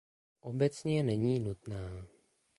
Obecně není nutná.